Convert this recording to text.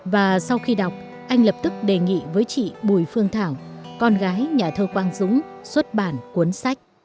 và sau khi đọc anh lập tức đề nghị với chị bùi phương thảo con gái nhà thơ quang dũng xuất bản cuốn sách